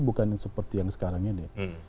bukan seperti yang sekarang ini